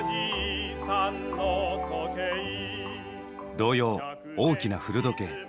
童謡「大きな古時計」。